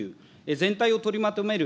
全体を取りまとめる